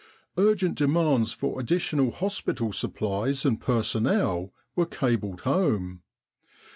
Urgent demands for additional hospital supplies and personnel were cabled home.